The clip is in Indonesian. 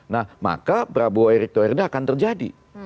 nah maka prabowo erick thohir ini akan terjadi